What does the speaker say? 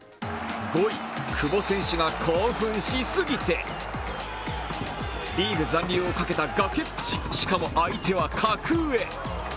５位、久保選手が興奮しすぎてリーグ残留をかけた崖っぷち、しかも相手は格上。